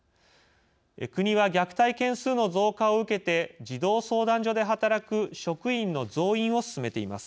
国は虐待件数の増加を受けて児童相談所で働く職員の増員を進めています。